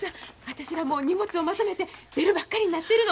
私らもう荷物をまとめて出るばっかりになってるの。